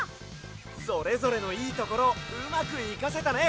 それぞれのいいところをうまくいかせたね！